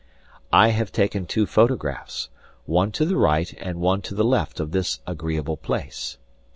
I have taken two photographs, one to the right and one to the left of this agreeable place.